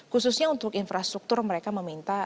khususnya untuk infrastruktur mereka meminta